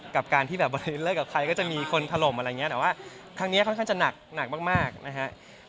กับการที่แบบว่าเลิกกับใครก็จะมีคนถล่มอะไรอย่างนี้แต่ว่าครั้งนี้ค่อนข้างจะหนักมากนะฮะ